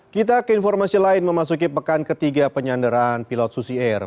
kita ke informasi lain memasuki pekan ketiga penyanderaan pilot susi air